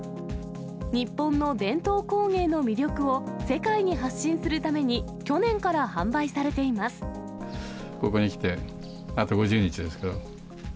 日本の伝統工芸の魅力を世界に発信するために、去年から販売されここにきて、あと５０日ですから。